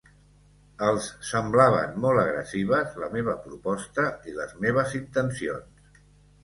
Els semblaven molt agressives la meva proposta i les meves intencions.